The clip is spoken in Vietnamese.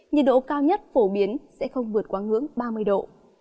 nhiệt độ cao nhất phổ biến sẽ không vượt quá ngưỡng ba mươi độ